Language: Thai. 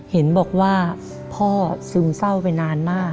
เห็นบอกว่าพ่อซึมเศร้าไปนานมาก